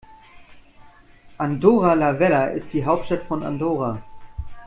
Andorra la Vella ist die Hauptstadt von Andorra.